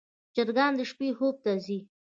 چرګان د شپې خوب ته ځي.